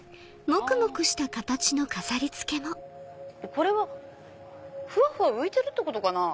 これはふわふわ浮いてるってことかな。